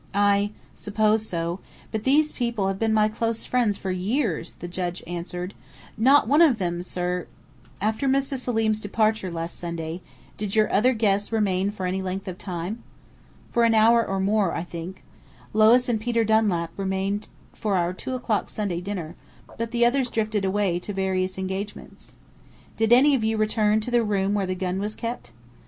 "I suppose so. But these people have been my close friends for years," the judge answered. "Not one of them, sir " "After Mrs. Selim's departure last Sunday, did your other guests remain for any length of time?" "For an hour or more, I think. Lois and Peter Dunlap remained for our two o'clock Sunday dinner, but the others drifted away to various engagements." "Did any of you return to the room where the gun was kept?"